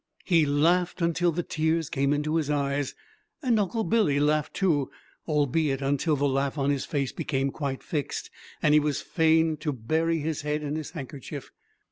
He laughed until the tears came into his eyes, and Uncle Billy laughed too, albeit until the laugh on his face became quite fixed, and he was fain to bury his head in his handkerchief.